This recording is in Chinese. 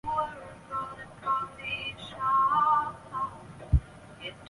格朗达格。